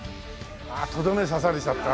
ああとどめ刺されちゃった。